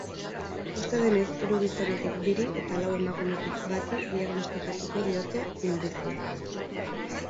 Uste denez, hiru gizonetik biri eta lau emakumetik bati diagnostikatuko diote minbizia.